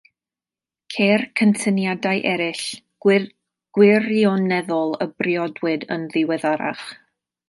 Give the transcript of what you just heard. Ceir cysyniadau eraill, gwirioneddol a briodwyd yn ddiweddarach.